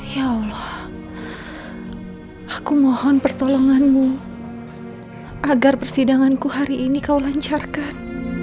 ya allah aku mohon pertolonganmu agar persidanganku hari ini kau lancarkan